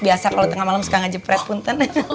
biasa kalo tengah malem suka ngejepret pun ten